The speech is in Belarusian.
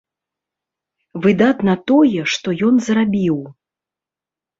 Выдатна тое, што ён зрабіў.